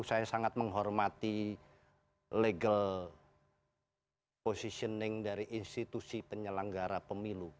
saya sangat menghormati legal positioning dari institusi penyelenggara pemilu